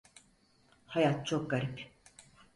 Hayat çok garip.